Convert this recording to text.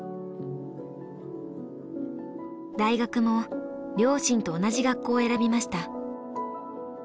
大学も両親と同じ学校を選びました。